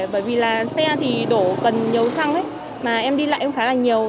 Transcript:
bởi vì là xe thì đổ cần nhiều xăng ấy mà em đi lại cũng khá là nhiều